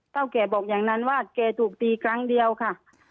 แกบอกอย่างนั้นว่าแกถูกตีครั้งเดียวค่ะ